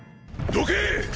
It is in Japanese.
どけ！